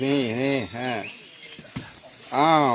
เวทีนี้ไม่มีปัญหาอ่า